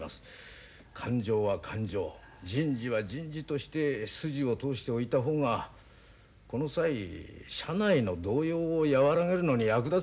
感情は感情人事は人事として筋を通しておいた方がこの際社内の動揺を和らげるのに役立つでしょう。